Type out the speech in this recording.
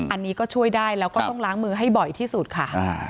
อันนี้ก็ช่วยได้แล้วก็ต้องล้างมือให้บ่อยที่สุดค่ะ